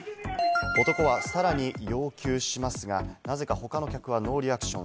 男はさらに要求しますが、なぜか他の客はノーリアクション。